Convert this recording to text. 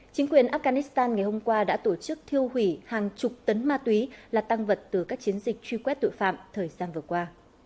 chính quyền afghanistan ngày hôm qua đã tổ chức thiêu hủy hàng chục tấn ma túy là tăng vật từ các chiến dịch truy quét tội phạm thời gian vừa qua